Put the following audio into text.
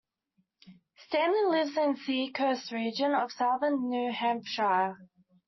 Stanley lives in the Seacoast region of southern New Hampshire.